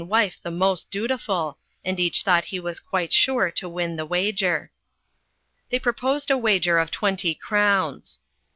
Wife the most dutiful, and each thought he was quite sure to win the wager. They proposed a wager of twenty crowns.